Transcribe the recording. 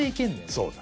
そうだ。